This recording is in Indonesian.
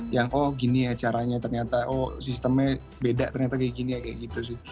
yang oh gini ya caranya ternyata oh sistemnya beda ternyata kayak gini ya kayak gitu sih